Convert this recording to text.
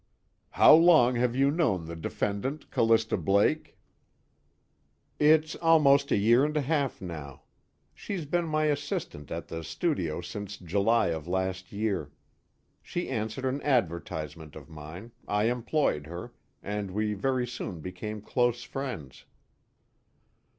"How long have you known the defendant Callista Blake?" "It's almost a year and a half now. She's been my assistant at the studio since July of last year. She answered an advertisement of mine, I employed her, and we very soon became close friends."